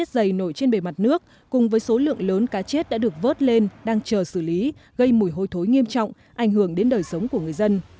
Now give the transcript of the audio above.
dày nổi trên bề mặt nước cùng với số lượng lớn cá chết đã được vớt lên đang chờ xử lý gây mùi hôi thối nghiêm trọng ảnh hưởng đến đời sống của người dân